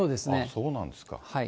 そうなんですか。